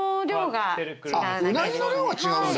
あっうなぎの量が違うんだ。